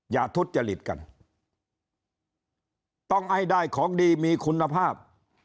อย่าทุดจะหลีดกันต้องให้ได้ของดีมีคุณภาพ